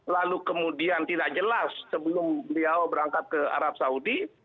lalu kemudian tidak jelas sebelum beliau berangkat ke arab saudi